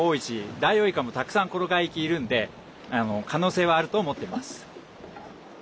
ダイオウイカもたくさんこの海域いるんで可能性はあると思ってます。